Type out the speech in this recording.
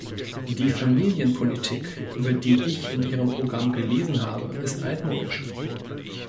Die Familienpolitik, über die ich in Ihrem Programm gelesen habe, ist altmodisch.